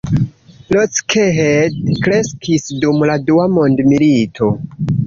Lockheed kreskis dum la Dua mondmilito.